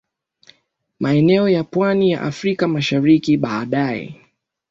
maeneo ya Pwani ya Afrika Mashariki Baadaye